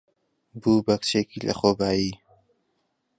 بوو بە کچێکی لەخۆبایی.